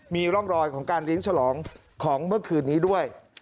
มีร่องรอยของการเลี้ยงฉลองของเมื่อคืนนี้ด้วย